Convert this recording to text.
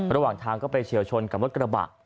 ระหว่างทางก็ไปเฉียวชนกับรถกระบะ